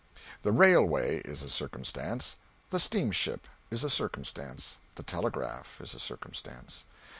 The railway is a Circumstance, the steamship is a Circumstance, the telegraph is a Circumstance.